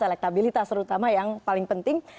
elektabilitas terutama yang paling penting